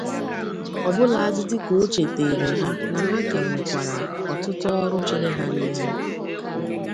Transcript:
ọbụladị dịka o cheteere ha na ha ka nwekwara ọtụtụ ọrụ chere ha n'ihu